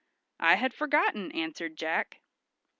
"I had forgotten," answered Jack.